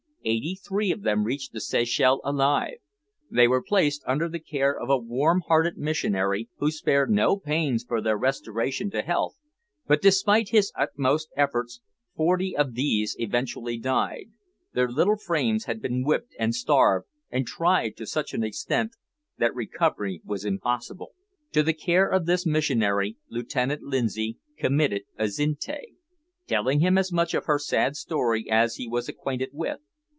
Eighty three of them reached the Seychelles alive. They were placed under the care of a warm hearted missionary, who spared no pains for their restoration to health; but despite his utmost efforts, forty of these eventually died their little frames had been whipped, and starved, and tried to such an extent, that recovery was impossible. To the care of this missionary Lieutenant Lindsay committed Azinte, telling him as much of her sad story as he was acquainted with.